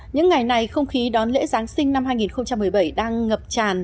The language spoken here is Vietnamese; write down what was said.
những ngày này không khí đón lễ giáng sinh năm hai nghìn một mươi bảy đang ngập tràn